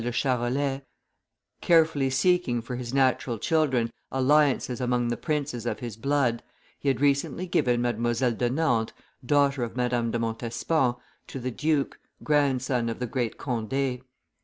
de Charolais; carefully seeking for his natural children alliances amongst the princes of his blood, he had recently given Mdlle. de Nantes, daughter of Madame de Montespan, to the duke, grandson of the great Conde.